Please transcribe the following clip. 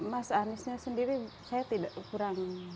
mas aniesnya sendiri saya tidak kurang